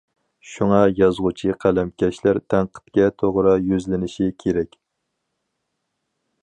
شۇڭا يازغۇچى قەلەمكەشلەر تەنقىدكە توغرا يۈزلىنىشى كېرەك.